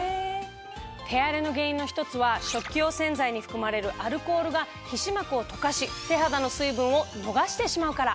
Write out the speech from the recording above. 手荒れの原因の１つは食器用洗剤に含まれるアルコールが皮脂膜を溶かし手肌の水分を逃してしまうから。